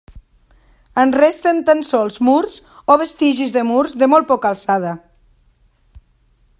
En resten tan sols murs o vestigis de murs de molt poca alçada.